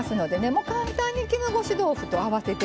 もう簡単に絹ごし豆腐と合わせて頂く。